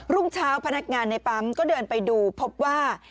รุ่งเช้าพนักงานในปั๊มก็เดินไปดูพบว่า